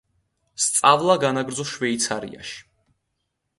სწავლა განაგრძო შვეიცარიაში.